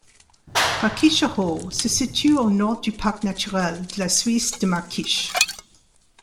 Märkische Hohe se situe au nord du parc naturel de la Suisse de Märkisch.